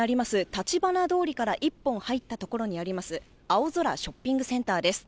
橘通りから一本入った所にあります、青空ショッピングセンターです。